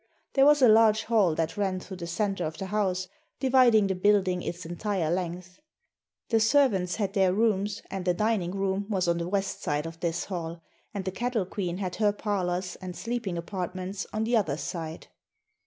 There was a large hall that ran through the center of the house, dividing the building its entire length. The servants had their rooms and the dining room was on the west side of this hall, and the Cattle Queen had her parlors and sleeping apartments on the other side.